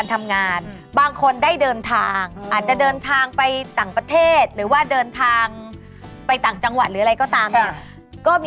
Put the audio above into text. ตั้งแต่วันนี้นะคะวันที่๒ถึงวันที่๘พฤษภาคม